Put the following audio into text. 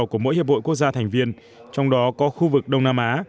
của mỗi hiệp hội quốc gia thành viên trong đó có khu vực đông nam á